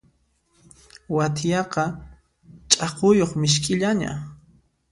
Wathiyaqa ch'akuyuq misk'illana.